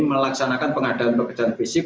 melaksanakan pengadaan pekerjaan fisik